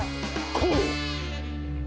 こう！